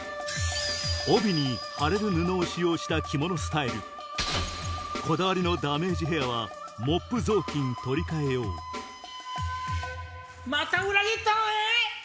帯に貼れる布を使用した着物スタイルこだわりのダメージヘアはモップぞうきんとりかえ用また裏切ったわね！